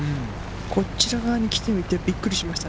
こちら側に来てみて、びっくりしました。